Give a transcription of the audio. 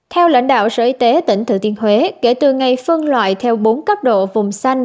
theo lãnh đạo sở y tế tỉnh thừa thiên huế kể từ ngày phân loại theo bốn cấp độ vùng xanh